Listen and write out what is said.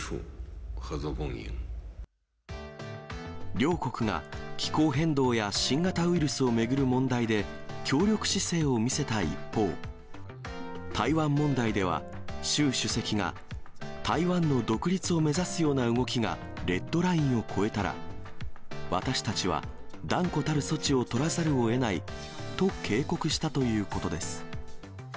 両国が気候変動や新型ウイルスを巡る問題で協力姿勢を見せた一方、台湾問題では、習主席が台湾の独立を目指すような動きがレッドラインを越えたら、私たちは断固たる措置を取らざるをえないと警告したということです。